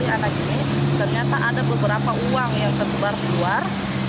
tapi ternyata makin kesini saya menjali anak ini ternyata ada beberapa uang yang tersebar keluar